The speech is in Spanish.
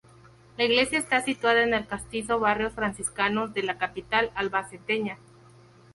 La iglesia está situada en el castizo barrio Franciscanos de la capital albaceteña.